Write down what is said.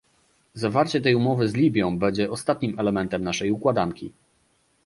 Zawarcie tej umowy z Libią będzie ostatnim elementem naszej układanki